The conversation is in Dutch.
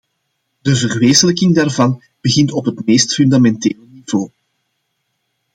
De verwezenlijking daarvan begint op het meest fundamentele niveau.